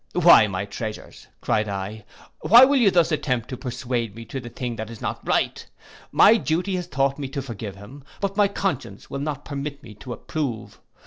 'Why, my treasures,' cried I, 'why will you thus attempt to persuade me to the thing that is not right! My duty has taught me to forgive him; but my conscience will not permit me to approve.